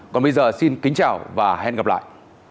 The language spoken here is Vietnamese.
còn bây giờ xin kính chào và hẹn gặp lại